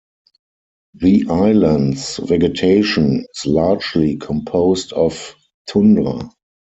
The island's vegetation is largely composed of tundra.